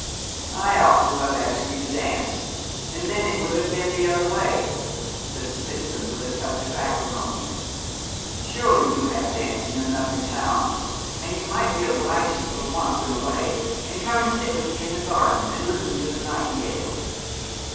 'I ought to have asked you to dance, and then it would have been the other way,' said Smithson, with a touch of acrimony. 'Surely you have dancing enough in town, and you might be obliging for once in a way, and come and sit with me in the garden, and listen to the nightingales.'